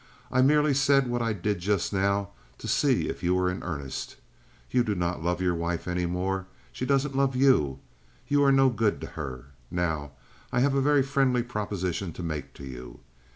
I merely said what I did just now to see if you were in earnest. You do not love your wife any more. She doesn't love you. You are no good to her. Now, I have a very friendly proposition to make to you.